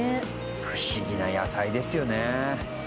不思議な野菜ですよね。